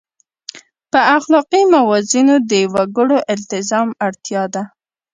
په اخلاقي موازینو د وګړو التزام اړتیا ده.